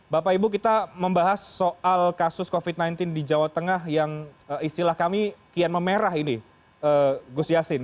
bapak ibu kita membahas soal kasus covid sembilan belas di jawa tengah yang istilah kami kian memerah ini gus yassin